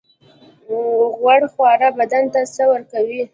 غوړ خواړه بدن ته څه ورکوي؟